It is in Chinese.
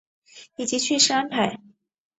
以及叙事安排